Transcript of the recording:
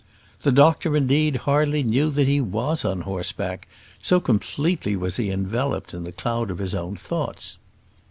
The doctor, indeed, hardly knew that he was on horseback, so completely was he enveloped in the cloud of his own thoughts.